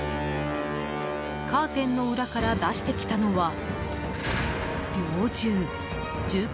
カーテンの裏から出してきたのは、猟銃。